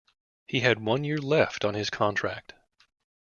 He had one year left on his contract.